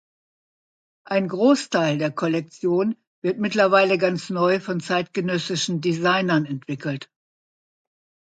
Ein Großteil der Kollektion wird mittlerweile ganz neu von zeitgenössischen Designern entwickelt.